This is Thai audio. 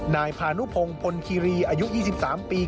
นายพานุพงศ์พลคีรีอายุ๒๓ปี